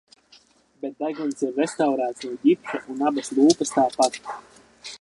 Bet deguns ir restaurēts no ģipša un abas lūpas tāpat.